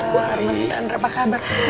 mas chandra apa kabar